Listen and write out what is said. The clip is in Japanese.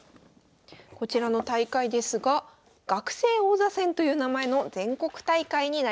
こちらの大会ですが「学生王座戦」という名前の全国大会になります。